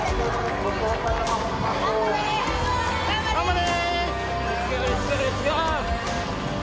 頑張れ！